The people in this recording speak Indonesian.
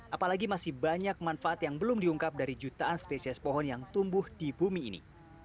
apalagi masih banyak manfaat yang belum diungkap dari jutaan spesies pohon yang tumbuh di bumi ini